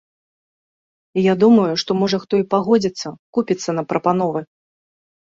І я думаю, што, можа, хто і пагодзіцца, купіцца на прапановы.